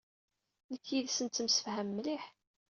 Nekk yid-s nettemsefham mliḥ.